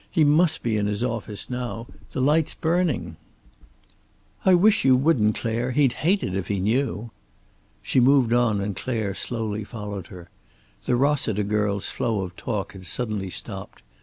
He must be in his office now. The light's burning." "I wish you wouldn't, Clare. He'd hate it if he knew." She moved on and Clare slowly followed her. The Rossiter girl's flow of talk had suddenly stopped.